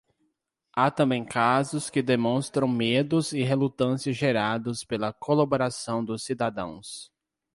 Há também casos que demonstram medos e relutância gerados pela colaboração dos cidadãos.